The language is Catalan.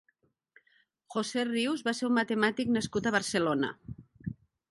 José Rius va ser un matemàtic nascut a Barcelona.